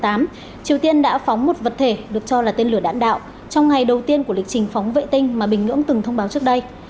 triều tiên đã phóng một vật thể được cho là tên lửa đạn đạo trong ngày đầu tiên của lịch trình phóng vệ tinh mà bình ngưỡng từng thông báo trước đây